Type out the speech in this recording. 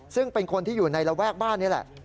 ซึ่งเป็นคนที่อยู่ในระแวกบ้านนี่แหละ